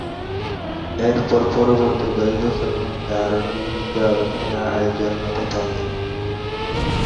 এরপর পরবর্তী দশ বছরের মধ্যে আরও নিয়মিতভাবে খেলা আয়োজন হতে থাকে।